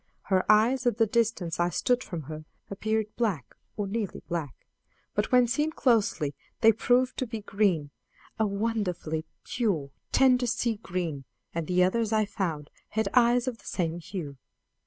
Her eyes, at the distance I stood from her, appeared black, or nearly black, but when seen closely they proved to be green a wonderfully pure, tender sea green; and the others, I found, had eyes of the same hue.